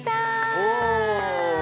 お！